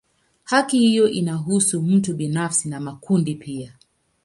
Haki hiyo inahusu mtu binafsi na makundi pia.